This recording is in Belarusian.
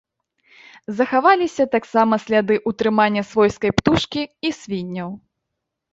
Захаваліся таксама сляды ўтрымання свойскай птушкі і свінняў.